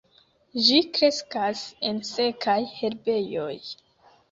Ĝi kreskas en sekaj herbejoj.